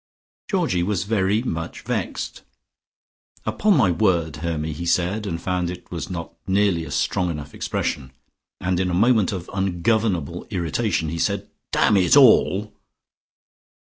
Georgie was very much vexed. "Upon my word, Hermy!" he said, and then found it was not nearly a strong enough expression. And in a moment of ungovernable irritation he said: "Damn it all!"